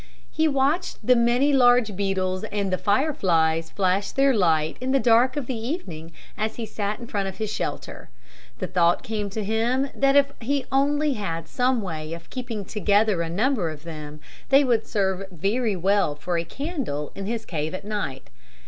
He watched the many large beetles and fire flies flash their light in the dark of the evening as he sat in front of his shelter. The thought came to him that if he only had some way of keeping together a number of them, they would serve very well for a candle in his cave at night.